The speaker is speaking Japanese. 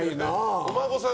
お孫さん